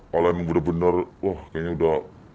kalau yang benar benar wah kayaknya udah